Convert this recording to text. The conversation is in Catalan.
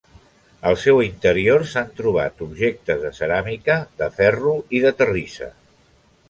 Al seu interior s'han trobat objectes de ceràmica, de ferro i de terrissa.